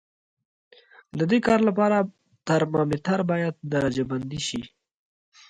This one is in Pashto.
د دې کار لپاره ترمامتر باید درجه بندي شي.